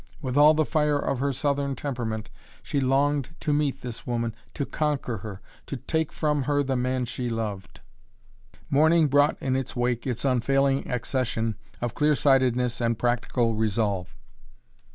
With all the fire of her southern temperament she longed to meet this woman, to conquer her, to take from her the man she loved. Morning brought in its wake its unfailing accession of clear sightedness and practical resolve.